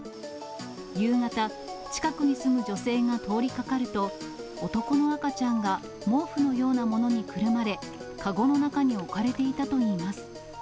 夕方、近くに住む女性が通りかかると、男の赤ちゃんが毛布のようなものにくるまれ、籠の中に置かれていたといいます。